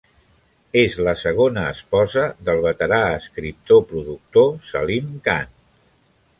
És la segona esposa del veterà escriptor-productor Salim Khan.